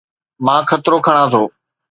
مان خطرو کڻان ٿو